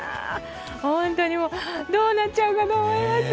本当に、もうどうなっちゃうかと思いました。